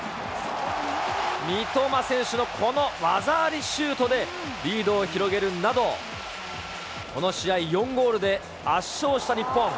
三笘選手のこの技ありシュートでリードを広げるなど、この試合、４ゴールで圧勝した日本。